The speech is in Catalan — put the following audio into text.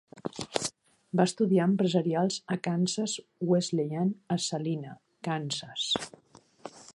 Va estudiar empresarials a Kansas Wesleyan, a Salina, Kansas.